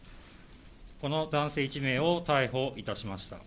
この男性１名を逮捕いたしました。